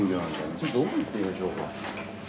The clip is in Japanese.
ちょっと奥行ってみましょうか。